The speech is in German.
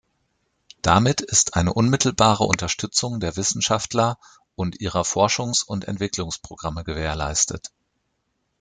Damit ist eine unmittelbare Unterstützung der Wissenschaftler und ihrer Forschungs- und Entwicklungsprogramme gewährleistet.